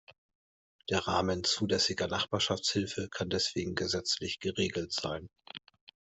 Der Rahmen zulässiger Nachbarschaftshilfe kann deswegen gesetzlich geregelt sein.